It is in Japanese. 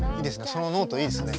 そのノートいいですね。